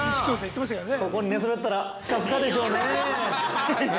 ここに寝そべったらふかふかでしょうねぇ。